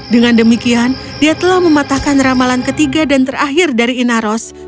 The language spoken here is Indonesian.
dengan demikian dia telah mematahkan ramalan ketiga dan terakhir dari inaros